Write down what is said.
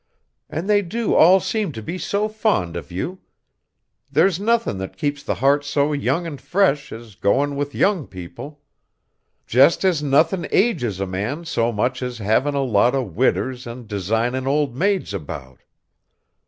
And they do all seem to be so fond of you. There's nothin' that keeps the heart so young and fresh as goin' with young people, just as nothin' ages a man so much as havin' a lot of widders and designin' old maids about.